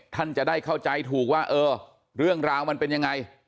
ท่านจะได้เข้าใจถูกว่าเออเรื่องราวมันเป็นยังไง